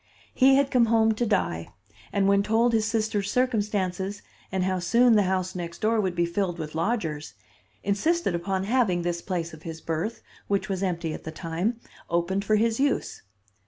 He had come home to die, and when told his sisters' circumstances, and how soon the house next door would be filled with lodgers, insisted upon having this place of his birth, which was empty at the time, opened for his use.